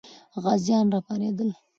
غازیان راپارېدل.